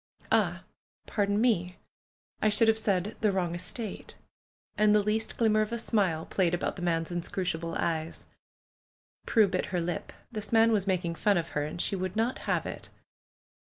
"Ah ! Pardon me ! I should have said ^the wrong estate.' " And the least glimmer of a smile played about the man's inscrutable eyes. Prue bit her lip. This man was making fun of her, and she would not have it.